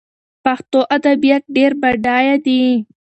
پښتو ادبيات ډېر بډايه دي.